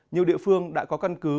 nhiều địa phương đã có căn cứ